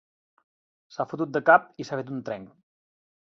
S'ha fotut de cap i s'ha fet un trenc.